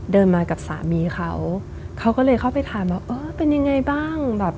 เดินมากับสามีเขาเขาก็เลยเข้าไปถามว่าเออเป็นยังไงบ้างแบบ